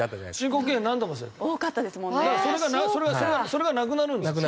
それがなくなるんですよ。